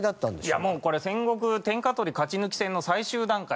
いやもうこれ戦国天下取り勝ち抜き戦の最終段階。